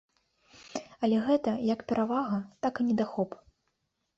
Але гэта як перавага, так і недахоп.